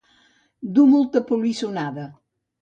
Dur molta polissonada.